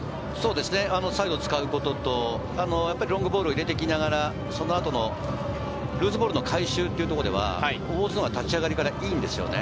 サイドを使うこととロングボールを入れてきながら、そのあとのルーズボールの回収というところでは大津のほうが立ち上がりがいいんですよね。